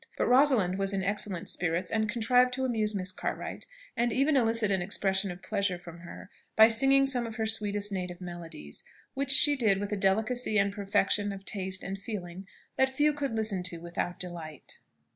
But Rosalind was in excellent spirits, and contrived to amuse Miss Cartwright, and even elicit an expression of pleasure from her, by singing some of her sweetest native melodies, which she did with a delicacy and perfection of taste and feeling that few could listen to without delight.